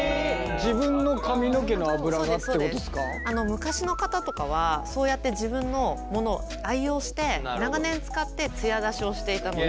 昔の方とかはそうやって自分のものを愛用して長年使ってツヤ出しをしていたので。